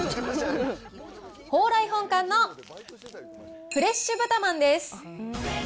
蓬莱本館のフレッシュ豚まんです。